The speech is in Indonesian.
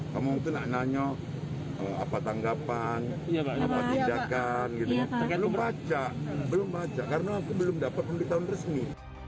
kamu mungkin nanya apa tanggapan apa tindakan belum baca belum baca karena aku belum dapat pemberitahuan resmi